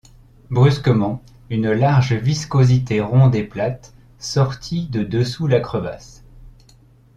Brusquement une large viscosité ronde et plate sortit de dessous la crevasse.